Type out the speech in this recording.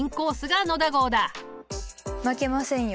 負けませんよ。